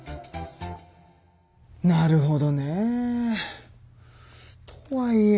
なるほどね。とはいえ。